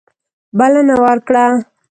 بلنه ورکړه.